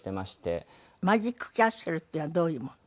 マジックキャッスルっていうのはどういうもの？